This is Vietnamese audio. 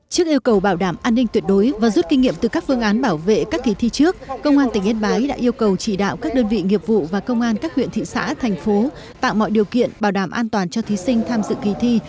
trước yêu cầu bảo đảm an ninh tuyệt đối và rút kinh nghiệm từ các phương án bảo vệ các kỳ thi trước công an tỉnh yên bái đã yêu cầu chỉ đạo các đơn vị nghiệp vụ và công an các huyện thị xã thành phố tạo mọi điều kiện bảo đảm an toàn cho thí sinh tham dự kỳ thi